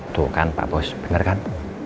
tuh kan pak bos bener kan